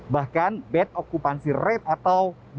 bahkan bed okupansi red atau bobo